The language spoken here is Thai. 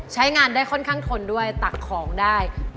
ใช้งานได้ค่อนข้างทนด้วยตักของได้